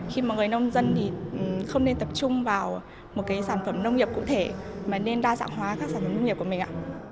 khi mà người nông dân thì không nên tập trung vào một cái sản phẩm nông nghiệp cụ thể mà nên đa dạng hóa các sản phẩm nông nghiệp của mình ạ